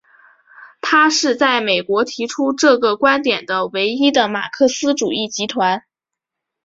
它是在美国提出这种观点的唯一的马克思主义集团。